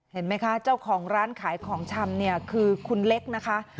เห็นไหมคะเจ้าของร้านขายของชำเนี่ยคือคุณเล็กนะคะ